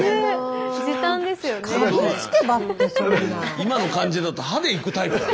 今の感じだと歯でいくタイプだね